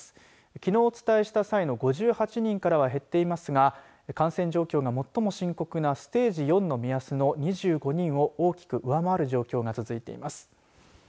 きのうお伝えした際の５８人からは減っていますが感染状況が最も深刻なステージ４の目安の２５人を大きく上回る状況が続いています。